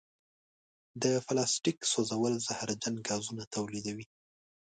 د پلاسټیک سوځول زهرجن ګازونه تولیدوي.